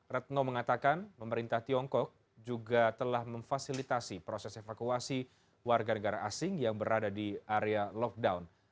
retno mengatakan pemerintah tiongkok juga telah memfasilitasi proses evakuasi warga negara asing yang berada di area lockdown